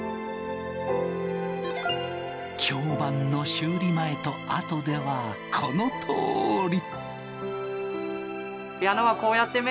響板の修理前と後ではこのとおり。